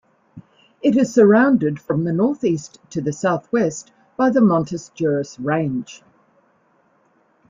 It is surrounded from the northeast to the southwest by the Montes Jura range.